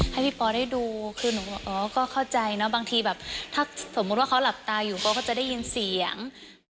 ให้พี่ปอได้ดูคือหนูบอกอ๋อก็เข้าใจนะบางทีแบบถ้าสมมุติว่าเขาหลับตาอยู่ปอก็จะได้ยินเสียง